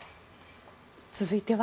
続いては。